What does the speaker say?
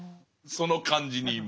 その感じに今。